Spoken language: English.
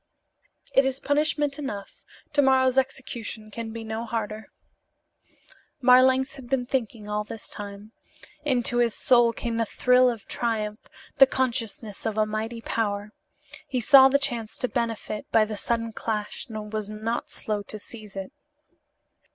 "It is punishment enough. To morrow's execution can be no harder." Marlanx had been thinking all this time. Into his soul came the thrill of triumph, the consciousness of a mighty power. He saw the chance to benefit by the sudden clash and he was not slow to seize it.